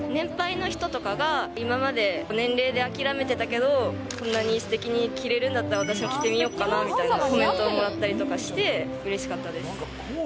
写真を見て、年配の人とかが今まで年齢で諦めてたけど、こんなにすてきに着れるんだったら、私も着てみようかなみたいなコメントもらったりとかして、うれしかったです。